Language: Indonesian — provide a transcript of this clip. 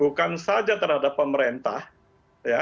bukan saja terhadap pemerintahannya